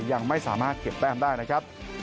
ยังไม่สามารถเก็บแต้มได้นะครับ